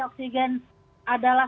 oksigen adalah sembilan puluh delapan